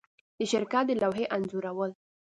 د شرکت د لوحې انځورول